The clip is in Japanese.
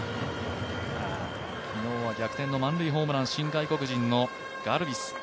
昨日は逆転の満塁ホームラン、新外国人のガルビス。